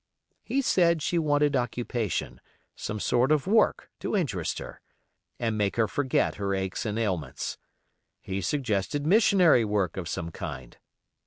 He said she wanted occupation, some sort of work to interest her, and make her forget her aches and ailments. He suggested missionary work of some kind.